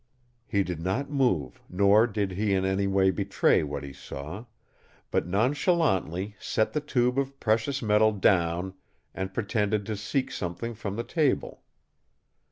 He did not move nor did he in any way betray what he saw, but nonchalantly set the tube of precious metal down and pretended to seek something from the table.